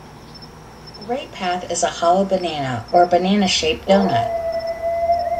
The ray path is a hollow banana, or a banana-shaped doughnut.